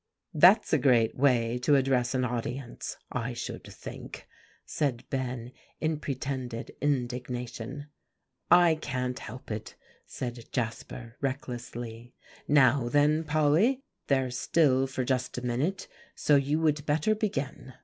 "That's a great way to address an audience, I should think," said Ben in pretended indignation. "I can't help it," said Jasper recklessly. "Now then, Polly, they're still for just a minute, so you would better begin."